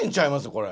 これ？